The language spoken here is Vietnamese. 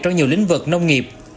trong nhiều lĩnh vực nông nghiệp